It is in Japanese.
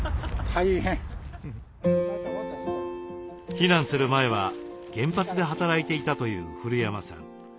避難する前は原発で働いていたという古山さん。